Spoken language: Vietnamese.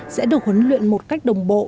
sẽ được huấn luyện một cách đồng bộ